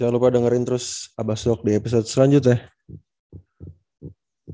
jangan lupa dengerin terus abas dog di episode selanjutnya